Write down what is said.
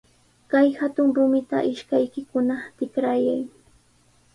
Kay hatun rumita ishkaykikuna tikrayay.